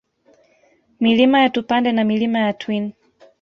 Milima ya Tupande na Milima ya Twin